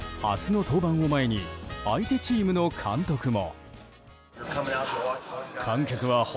明日の登板を前に相手チームの監督も。